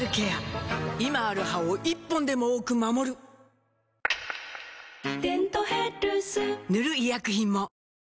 今ある歯を１本でも多く守る「デントヘルス」塗る医薬品も